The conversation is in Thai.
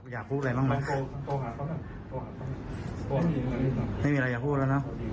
อยากพูดอะไรบ้างไหมไม่มีอะไรจะพูดแล้วเนอะ